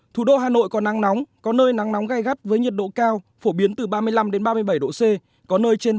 thủ đô hà nội có nắng nóng có nơi nắng nóng gây gắt với nhiệt độ cao phổ biến từ ba mươi năm ba mươi sáu độ c